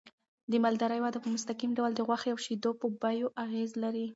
د مالدارۍ وده په مستقیم ډول د غوښې او شیدو په بیو اغېز لري.